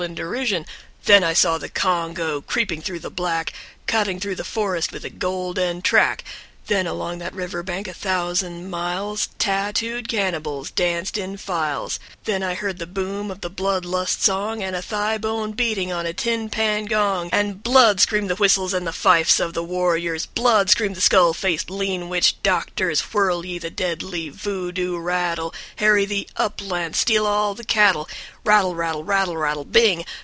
# THEN I SAW THE CONGO, CREEPING THROUGH THE BLACK, CUTTING THROUGH THE FOREST WITH A GOLDEN TRACK. Then along that riverbank A thousand miles Tattooed cannibals danced in files; Then I heard the boom of the blood lust song # A rapidly piling climax of speed and racket. # And a thigh bone beating on a tin pan gong. And "BLOOD" screamed the whistles and the fifes of the warriors, "BLOOD" screamed the skull faced, lean witch doctors, "Whirl ye the deadly voo doo rattle, Harry the uplands, Steal all the cattle, Rattle rattle, rattle rattle, Bing.